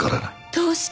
どうして？